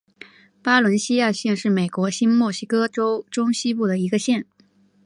巴伦西亚县是美国新墨西哥州中西部的一个县。